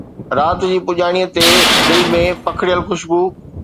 رات جي پڄاڻيءَ تي دل ۾ پکڙيل خوشبوءِ